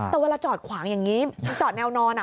แต่เวลาจอดขวางอย่างนี้จอดแนวนอน